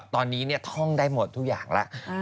ตอนนี้ท่องได้หมดทุกอย่างแล้ว